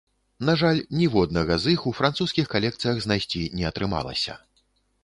На жаль, ніводнага з іх у французскіх калекцыях знайсці не атрымалася.